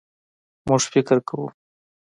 مونږ فکر کوو